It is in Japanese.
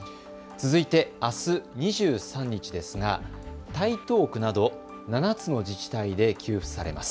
続いてあす２３日ですが台東区など７つの自治体で給付されます。